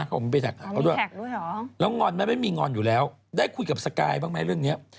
ผมไปแท็กหาเขาด้วยเหรอแล้วงอนมันไม่มีงอนอยู่แล้วได้คุยกับสกายบ้างไหมเรื่องนี้